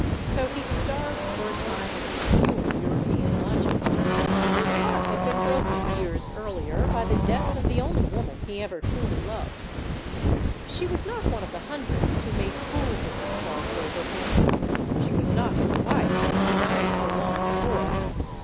So he starved for a time in obscure European lodging. His heart had been broken, years earlier, by the death of the only woman he ever truly loved. She was not one of the hundreds who made fools of them selves over him. She was not his wife, who had died so long before.